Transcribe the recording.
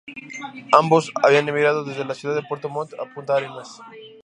Ambos habían emigrado desde la ciudad de Puerto Montt a Punta Arenas.